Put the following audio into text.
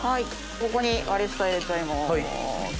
ここに割り下入れちゃいます。